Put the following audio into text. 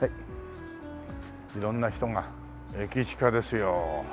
色んな人が駅近ですよ。